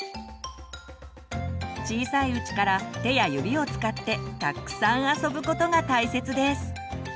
小さいうちから手や指を使ってたっくさん遊ぶことが大切です。